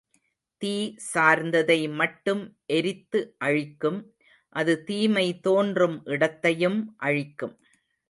தீ சார்ந்ததை மட்டும் எரித்து அழிக்கும், அது தீமை தோன்றும் இடத்தையும் அழிக்கும்.